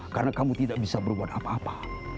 karena kamu tidak bisa berbuat apa apa